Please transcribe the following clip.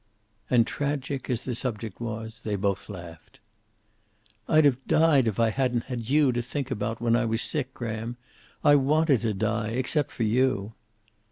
And, tragic as the subject was, they both laughed. "I'd have died if I hadn't had you to think about when I was sick, Graham. I wanted to die except for you."